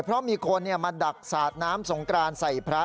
เพราะมีคนมาดักสาดน้ำสงกรานใส่พระ